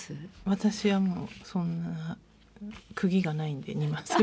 私はもうそんなクギがないんで煮ません。